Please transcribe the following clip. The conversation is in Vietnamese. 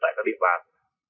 ở các địa phạt